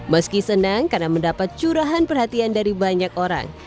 meski senang karena mendapat curahan perhatian dari banyak orang